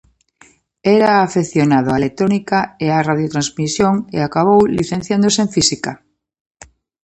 Era afeccionado á electrónica e á radiotransmisión e acabou licenciándose en física.